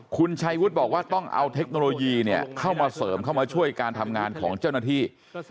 คุณชัยวุฒิบอกว่าต้องเอาเทคโนโลยีเข้ามาเสริมเข้ามาช่วยการทำงานของเจ้าหน้าที่